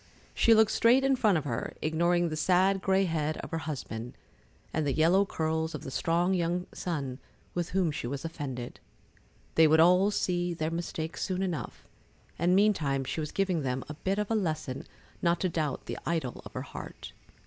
She looked straight in front of her, ignoring the sad gray head of her husband, and the yellow curls of the strong young son with whom she was offended. They would all see their mistake soon enough, and meantime she was giving them a bit of a lesson not to doubt the idol of her heart.